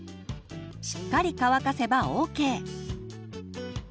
しっかり乾かせばＯＫ。